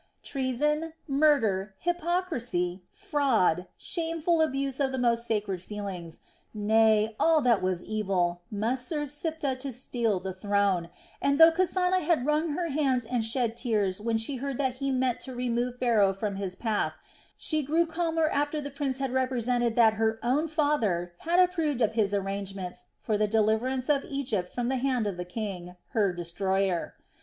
Treason, murder, hypocrisy, fraud, shameful abuse of the most sacred feelings, nay all that was evil must serve Siptah to steal the throne, and though Kasana had wrung her hands and shed tears when she heard that he meant to remove Pharaoh from his path, she grew calmer after the prince had represented that her own father had approved of his arrangements for the deliverance of Egypt from the hand of the king, her destroyer.